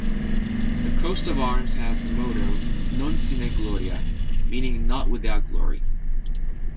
The coat of arms has the motto "Non Sine Gloria", meaning "Not Without Glory".